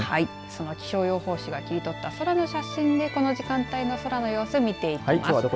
その気象予報士が切り取った空の写真でこの時間の空の様子を見ていきます。